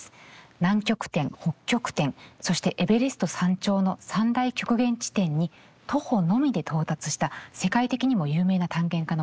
南極点北極点そしてエベレスト山頂の三大極限地点に徒歩のみで到達した世界的にも有名な探検家の方なんですね。